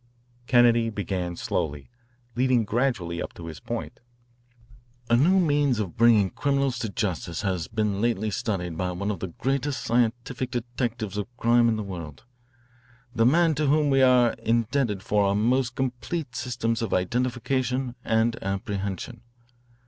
Kennedy began slowly) leading gradually up to his point: "A new means of bringing criminals to justice has been lately studied by one of the greatest scientific detectives of crime in the world, the man to whom we are indebted for our most complete systems of identification and apprehension."